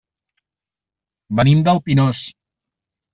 Venim del Pinós.